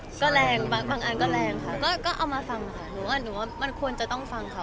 บางกลุ่มก็แรงค่ะก็เอามาฟังค่ะหนูอ่ะหนูอ่ะมันควรจะต้องฟังค่ะ